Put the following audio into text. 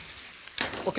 ＯＫ！